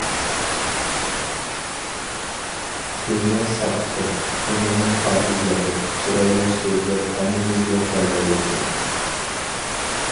دىلنىڭ ساپلىقى، كۆڭۈلنىڭ پاكىزلىقى، چىرايلىق سۆزلەر ھەممىمىزگە تەۋە بولسۇن.